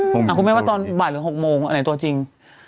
คุณแม่ว่าตอนบ่ายหรือ๖โมงอันไหนตัวจริง